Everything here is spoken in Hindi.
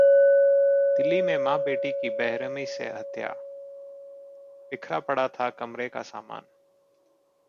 दिल्ली में मां-बेटी की बेरहमी से हत्या, बिखरा पड़ा था कमरे का सामान